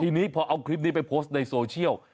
ทีนี้พอเอาคลิปนี้ไปโพสต์ในโซเชียล